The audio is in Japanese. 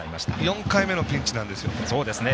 ４回目のピンチなんですよ。